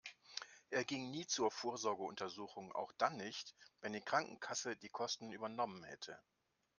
Er ging nie zur Vorsorgeuntersuchung, auch dann nicht, wenn die Krankenkasse die Kosten übernommen hätte.